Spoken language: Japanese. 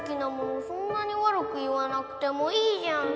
そんなにわるくいわなくてもいいじゃん。